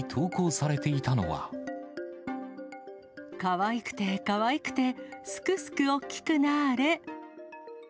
かわいくてかわいくて、すくすくおっきくなーれ。